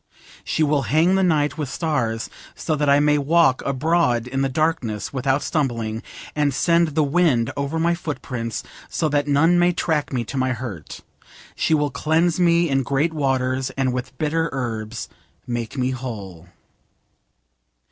She will hang the night with stars so that I may walk abroad in the darkness without stumbling, and send the wind over my footprints so that none may track me to my hurt: she will cleanse me in great waters, and with bitter herbs make me whole.